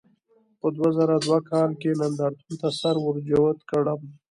په دوه زره دوه کال کې نندارتون ته سر ورجوت کړم.